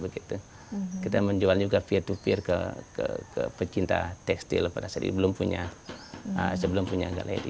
kita juga menjual via to via ke pecinta tekstil pada saat itu sebelum punya galeri